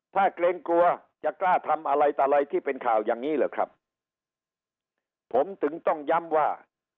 ถ้าเกรงกลัวจะกล้าทำอะไรต่ออะไรที่เป็นข่าวอย่างนี้เหรอครับผมถึงต้องย้ำว่า